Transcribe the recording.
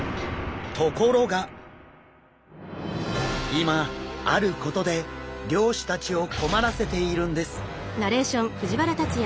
今あることで漁師たちを困らせているんです。